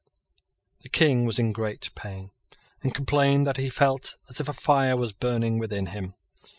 The King was in great pain, and complained that he felt as if a fire was burning within him.